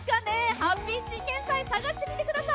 ハッピーチンゲンサイ探してみてください。